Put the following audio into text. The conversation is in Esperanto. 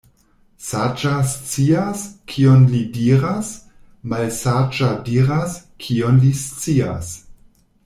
Saĝa scias, kion li diras — malsaĝa diras, kion li scias.